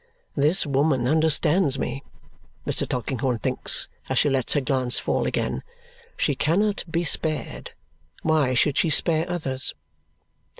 "This woman understands me," Mr. Tulkinghorn thinks as she lets her glance fall again. "SHE cannot be spared. Why should she spare others?"